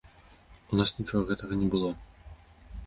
У нас нічога гэтага не было.